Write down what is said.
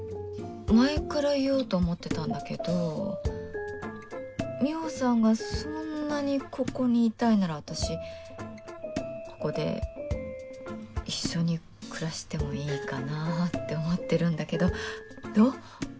前から言おうと思ってたんだけど美穂さんがそんなに、ここにいたいなら私、ここで一緒に暮らしてもいいかなって思ってるんだけどどう？